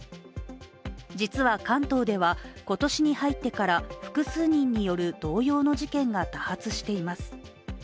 実は、関東では今年に入ってから複数人による同様の事件が多発しています。